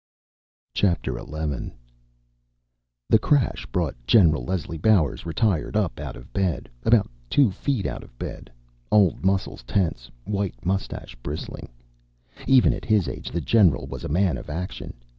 XI The crash brought Gen. Leslie Bowers (ret.) up out of bed about two feet out of bed old muscles tense, white mustache bristling. Even at his age, the general was a man of action.